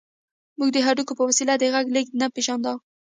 موږ د هډوکي په وسیله د غږ لېږد نه پېژانده